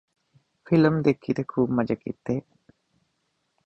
film ਦੇਖੀ ਤੇ ਖੂਬ ਮਜ਼ੇ ਕੀਤੇ